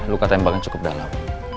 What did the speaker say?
luka tembakan cukup dalam